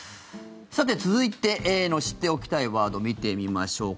続いての知っておきたいワードを見てみましょう。